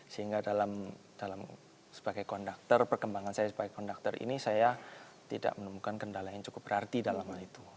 sehingga dalam sebagai konduktor perkembangan saya sebagai konduktor ini saya tidak menemukan kendala yang cukup berarti dalam hal itu